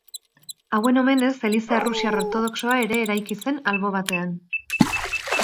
Hauen omenez eliza errusiar ortodoxoa ere eraiki zen albo batean.